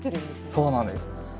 そうなんです。